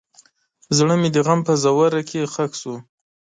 زړه مې د غم په ژوره کې ښخ شو.